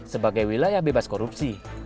sebagai wilayah bebas korupsi